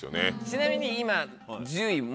ちなみに今。